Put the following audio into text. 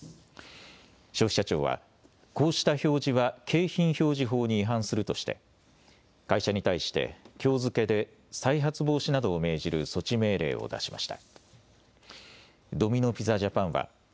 消費者庁はこうした表示は景品表示法に違反するとして会社に対してきょう付けで再発防止などを命じる措置命令を出しました。